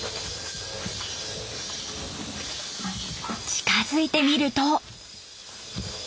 近づいてみると。